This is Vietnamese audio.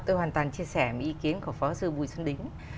tôi hoàn toàn chia sẻ một ý kiến của phó sư bùi xuân đính